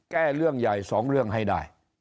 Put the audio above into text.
แก้เรื่องใหญ่สองเรื่องให้ได้